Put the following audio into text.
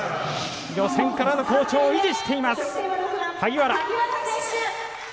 予選からの好調を維持しています、萩原。